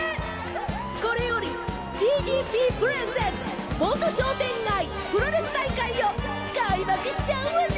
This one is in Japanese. これよりＧＧＰプレゼンツ盆土商店街プロレス大会を開幕しちゃうわね。